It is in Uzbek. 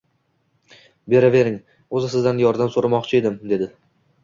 Beravering, oʻzi sizdan yordam soʻramoqchi edim dedi